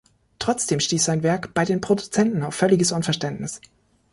Trotzdem stieß sein Werk bei den Produzenten auf völliges Unverständnis.